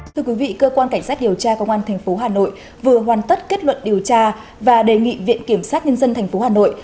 thưa quý vị cơ quan cảnh sát điều tra công an tp hà nội vừa hoàn tất kết luận điều tra và đề nghị viện kiểm sát nhân dân tp hà nội